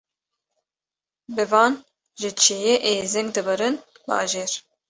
Bi van ji çiyê êzing dibirin bajêr